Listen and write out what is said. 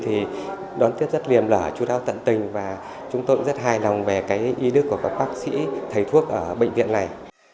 thì đón tiếp rất liềm lở chú đáo tận tình và chúng tôi cũng rất hài lòng về cái ý đức của các bác sĩ thầy thuốc ở bệnh viện này